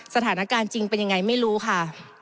สถานการณ์จริงเป็นยังไงไม่รู้ค่ะ